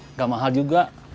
nggak mahal juga